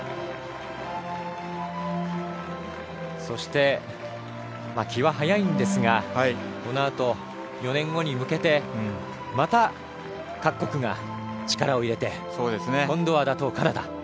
そして気は早いんですがこのあと４年後に向けてまた各国が力を入れて今度は打倒カナダ。